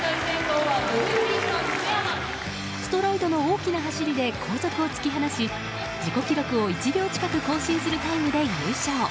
ストライドの大きな走りで後続を突き放し自己記録を１秒近く更新するタイムで優勝。